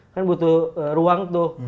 kan butuh ruang tuh